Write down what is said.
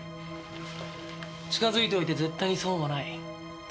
近づいておいて絶対に損はない。